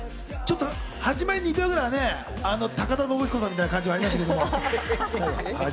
始まり２回ぐらいは、高田延彦さんみたいな感じがありましたけど。